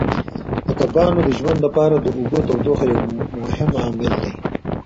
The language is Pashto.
د کبانو د ژوند لپاره د اوبو تودوخه یو مهم عامل دی.